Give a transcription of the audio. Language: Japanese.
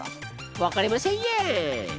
わかりませんえん。